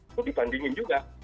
itu dibandingin juga